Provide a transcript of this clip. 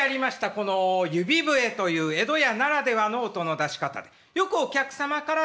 この指笛という江戸家ならではの音の出し方でよくお客様からですね